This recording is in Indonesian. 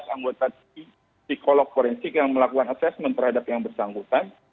anggota tim psikolog forensik yang melakukan assessment terhadap yang bersangkutan